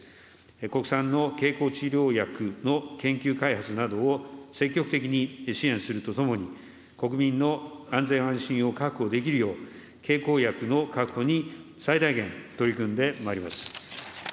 国産の経口治療薬の研究開発などを積極的に支援するとともに、国民の安全安心を確保できるよう、経口薬の確保に最大限取り組んでまいります。